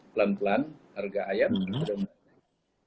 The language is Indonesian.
pelan pelan harga ayam sudah naik